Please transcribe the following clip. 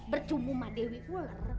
bercumbu mah dewi ular